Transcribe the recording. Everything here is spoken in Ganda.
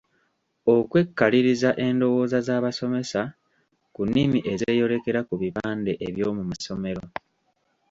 Okwekkaliriza endowooza z'abasomesa ku nnimi ezeeyolekera ku bipande eby'omu masomero.